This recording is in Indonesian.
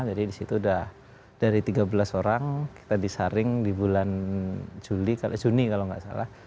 jadi disitu sudah dari tiga belas orang kita disaring di bulan juni kalau nggak salah